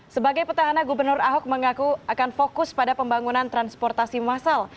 sebagai petahana gubernur ahok mengaku akan fokus pada pembangunan transportasi massal